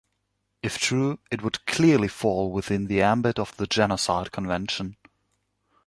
If true, it would clearly fall within the ambit of the Genocide Convention.